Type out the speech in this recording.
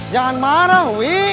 jangan marah wi